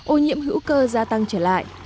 ô nhiễm hữu cơ gia tăng trở lại